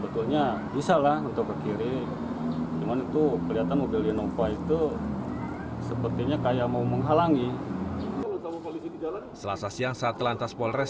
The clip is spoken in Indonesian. tata tanggerang menyatakan akan melayangkan surat panggilan kepada supir minibus penghalang ambulans